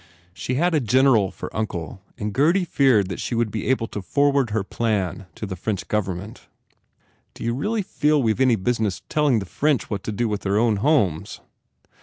She had a General for uncle and Gurdy feared that she would be able to forward her plan to the French government. "D you really feel that we ve any business tell ing the French what to do with their own homes?"